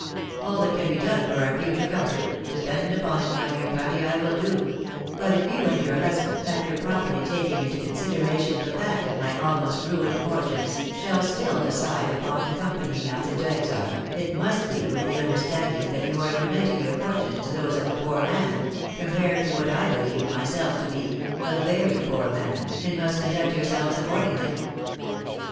All that can be done for our future comfort, depend upon it, my dear Patty, I will do ; but if you and your husband, after J)roperly taking into consideration the fact of my almost ruined fortunes, shall still decide upon accompanying us into exile, it must be with the understanding that you are uniting your fortunes to those of a poor man — compared to what I believed myself to be — a very poor man, and must conduct yourselves accordingly."